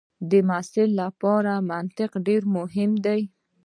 د محصل لپاره منطق ډېر مهم دی.